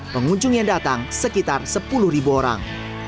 pengunjung yang datang sekitar sepuluh orang